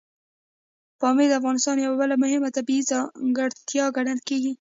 پامیر د افغانستان یوه بله مهمه طبیعي ځانګړتیا ګڼل کېږي.